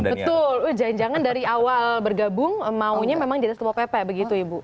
betul jangan jangan dari awal bergabung maunya memang dinas satpol pp begitu ya bu